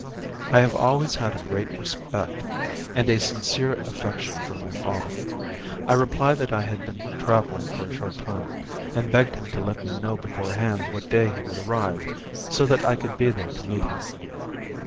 I have always had a great respect and a sincere affection for my father. I replied that I had been travelling for a short time, and begged him to let me know beforehand what day he would arrive, so that I could be there to meet him.